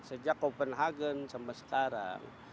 sejak copenhagen sampai sekarang